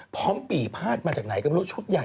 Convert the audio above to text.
พร้อมปี่ผ้ามาจากไหนก็เป็นรถชุดใหญ่